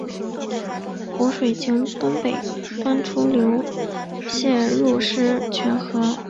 湖水经东北端出流泄入狮泉河。